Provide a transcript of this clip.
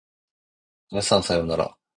皆さんさようなら